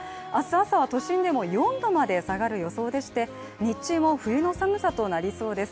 朝は都心でも４度まで下がる予想でして、日中も冬の寒さとなりそうです。